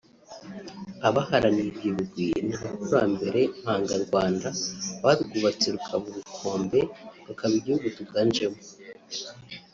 Abaharaniye ibyo bigwi ni Abakurambere mpangarwanda barwubatse rukaba ubukombe rukaba igihugu tuganjemo